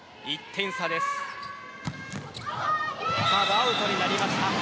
アウトになりました。